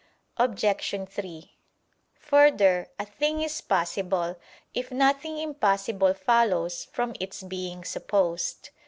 Obj. 3: Further, a thing is possible, if nothing impossible follows from its being supposed.